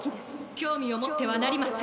興味を持ってはなりません。